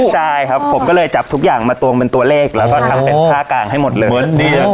ใช่ครับผมก็เลยจับทุกอย่างมาตวงเป็นตัวเลขแล้วก็ทำเป็นท่ากลางให้หมดเลย